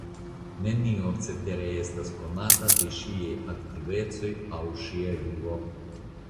Nenio cetere estas konata de ŝiaj aktivecoj aŭ ŝia vivo.